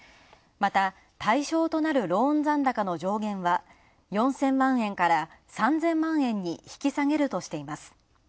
また、対象となるローン残高の上限は、４０００万円から３０００万円に引き下げるとしています。